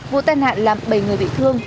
vụ tai nạn làm bảy người bị thương